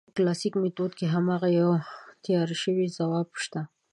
په کلاسیک میتود کې هماغه یو تیار شوی ځواب شته.